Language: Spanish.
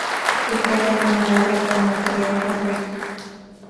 Se trata de una obra con material adulto.